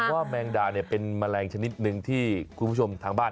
แมงดาเนี่ยเป็นแมลงชนิดหนึ่งที่คุณผู้ชมทางบ้าน